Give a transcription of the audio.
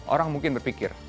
orang mungkin berpikir